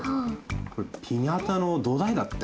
これピニャータのどだいだって。